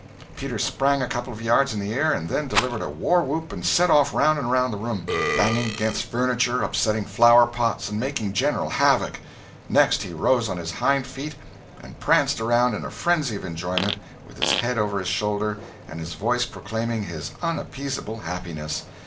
Peter sprang a couple of yards in the air, and then delivered a war whoop and set off round and round the room, banging against furniture, upsetting flower pots, and making general havoc. Next he rose on his hind feet and pranced around, in a frenzy of enjoyment, with his head over his shoulder and his voice proclaiming his unappeasable happiness.